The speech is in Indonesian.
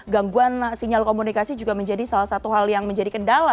gangguan sinyal komunikasi juga menjadi salah satu hal yang menjadi kendala